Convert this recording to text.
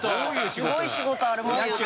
すごい仕事あるもんやな。